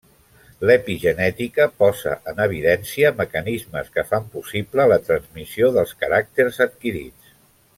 L'epigenètica posa en evidència mecanismes que fan possible la transmissió dels caràcters adquirits.